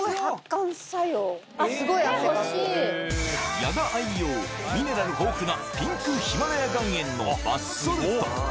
これ、矢田愛用、ミネラル豊富なピンクヒマラヤ岩塩のバスソルト。